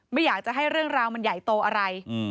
ไม่อยากจะให้เรื่องราวมันใหญ่โตอะไร